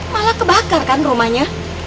malah kebakar kan rumahnya